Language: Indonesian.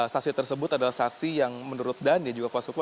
saksi tersebut adalah saksi yang menurut dhani juga kuasa hukum